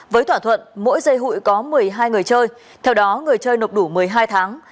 với thỏa thuận mỗi dây hụi có một mươi hai người chơi theo đó người chơi nộp đủ một mươi hai tháng